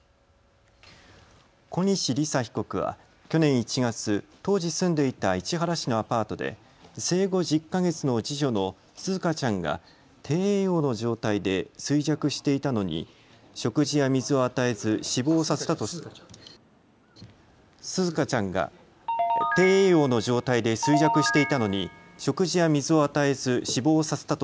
小西理紗被告は去年１月、当時住んでいた市原市のアパートで生後１０か月の次女の紗花ちゃんが低栄養の状態で衰弱していたのに食事や水を与えず死亡させたとして紗花ちゃんが低栄養の状態で衰弱していたのに食事や水を与えず死亡させたと